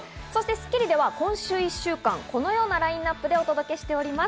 『スッキリ』では今週１週間、このようなラインナップでお届けしております。